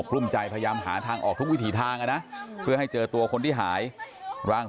ลุ้มใจพยายามหาทางออกทุกวิถีทางนะเพื่อให้เจอตัวคนที่หายร่าง